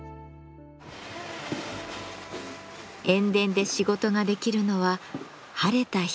塩田で仕事ができるのは晴れた日だけ。